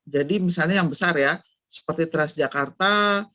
jadi misalnya yang besar ya seperti transjakarta